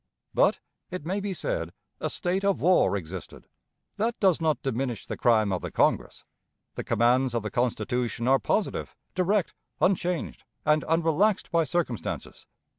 But, it may be said, a state of war existed. That does not diminish the crime of the Congress. The commands of the Constitution are positive, direct, unchanged, and unrelaxed by circumstances.